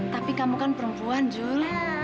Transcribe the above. tapi kamu kan perempuan zul